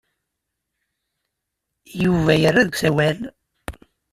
Yuba yerra deg usawal.